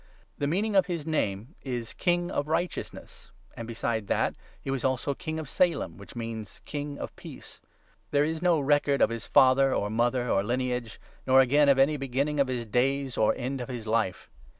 The meaning of his name is ' King of Righteousness,' and besides that, he was also King of Salem, which means ' King of Peace.' There is 3 no record of his father, or mother, or lineage, nor again of any beginning of his days, or end of his life.